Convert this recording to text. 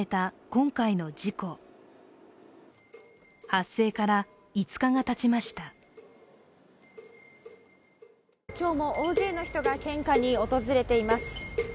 今日も大勢の人が献花に訪れています。